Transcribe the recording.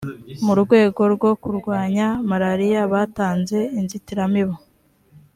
mu rwego rwo kurwanya maraliya batanze inzitiramibu